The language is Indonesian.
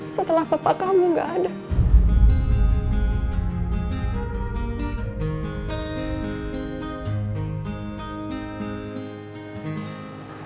setelah papa kamu gak ada